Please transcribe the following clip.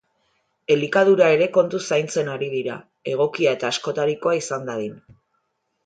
Elikadura ere kontuz zaintzen ari dira, egokia eta askotarikoa izan dadin.